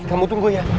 kamu tunggu ya